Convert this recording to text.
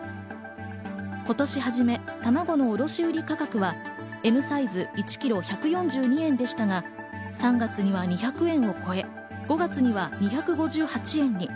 今年初め、卵の卸売価格はＭサイズ１ｋｇ１４２円でしたが、３月には２００円を超え５月には２５８円に。